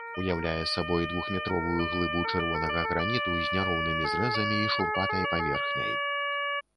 Уяўляе сабой двухметровую глыбу чырвонага граніту з няроўнымі зрэзамі і шурпатай паверхняй.